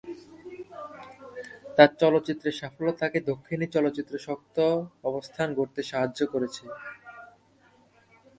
তার চলচ্চিত্রের সাফল্য তাকে দক্ষিণী চলচ্চিত্র শক্ত অবস্থান গড়তে সাহায্য। করেছে।